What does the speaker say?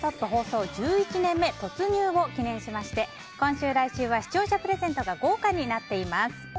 放送１１年目突入を記念しまして今週、来週は視聴者プレゼントが豪華になっています。